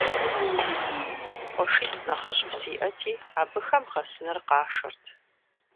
КъуэшитӀ нэхъыжьу сиӀэти, абыхэм гъэсыныр къашэрт.